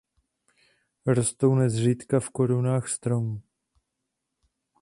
Rostou nezřídka v korunách stromů.